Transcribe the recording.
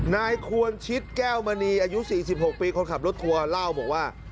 นายควรชิดแก้วมณีอายุ๔๖ปีคนขับรถทัวร์เล่าบอกว่า